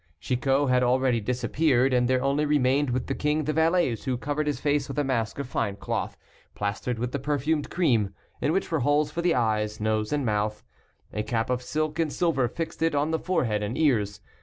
Chicot had already disappeared, and there only remained with the king the valets, who covered his face with a mask of fine cloth, plastered with the perfumed cream, in which were holes for the eyes, nose, and mouth; a cap of silk and silver fixed it on the forehead and ears.